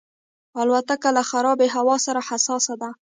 الوتکه له خرابې هوا سره حساسه ده.